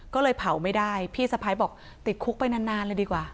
ก็เลยเผาไม่ได้พี่สะพ้ายบอกติดคุกไปนานเลยดีกว่า